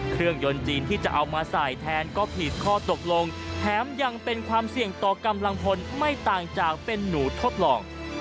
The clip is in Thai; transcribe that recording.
เครื่องยนต์จีนที่จะเอามาใส่แทนก็ผิดข้อตกลงแถมยังเป็นความเสี่ยงต่อกำลังพลไม่ต่างจากเป็นหนูทดลอง